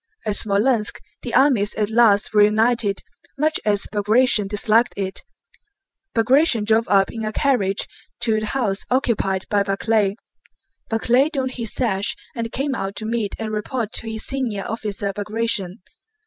At Smolénsk the armies at last reunited, much as Bagratión disliked it. Bagratión drove up in a carriage to the house occupied by Barclay. Barclay donned his sash and came out to meet and report to his senior officer Bagratión.